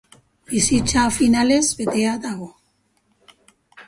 Bizitza finalez betea dago.